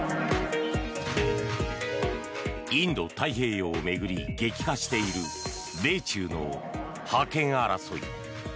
インド太平洋を巡り激化している米中の覇権争い。